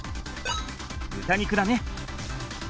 豚肉だね。